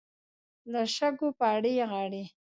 له شګو پړي غړي.